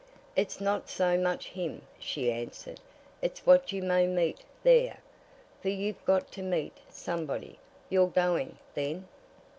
"It's not so much him," she answered. "It's what you may meet there! For you've got to meet somebody. You're going, then?"